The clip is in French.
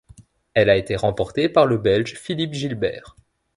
Elle a été remportée par le Belge Philippe Gilbert.